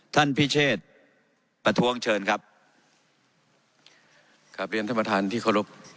ท่านพิเชษประท้วงเชิญครับกลับเรียนท่านประธานที่เคารพ